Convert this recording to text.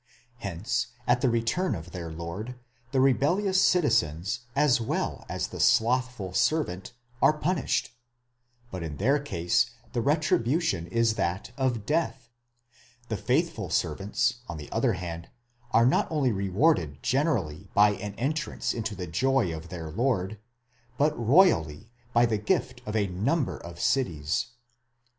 Hence at the return of the lord, the rebellious citizens, as well as the slothful servant, are punished ; but in their case the retribution is that of death: the faithful servants, on the other hand, are not only rewarded generally by an entrance into the joy of their Lord, but royally, by the gift of a number of cities.